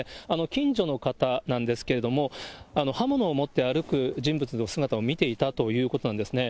近所の方なんですけれども、刃物を持って歩く人物の姿を見ていたということなんですね。